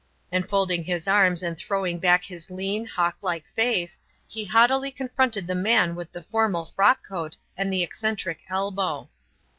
And folding his arms and throwing back his lean, hawklike face, he haughtily confronted the man with the formal frock coat and the eccentric elbow.